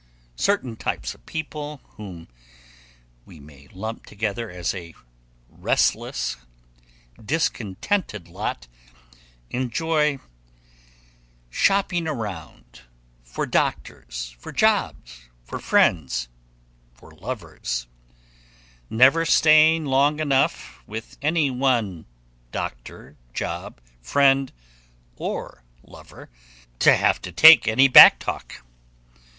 Certain types of people, whom we might lump together as a restless, discontented lot, enjoy "shopping around" for doctors, for jobs, for friends, for lovers, never staying long enough with any one doctor, job, friend, or lover to have to take any back talk.